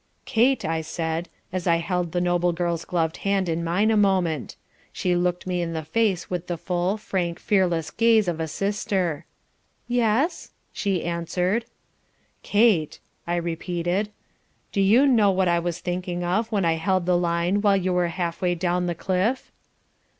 "'Kate,' I said, as I held the noble girl's gloved hand in mine a moment. She looked me in the face with the full, frank, fearless gaze of a sister. "'Yes?' she answered. "'Kate,' I repeated, 'do you know what I was thinking of when I held the line while you were half way down the cliff?'